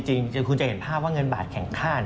จริงคือคุณจะเห็นภาพว่าเงินบาทแข็งค่า